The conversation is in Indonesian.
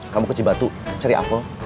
kamu ke cibatu cari apel